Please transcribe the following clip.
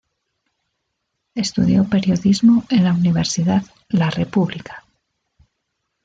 Estudió periodismo en la Universidad La República.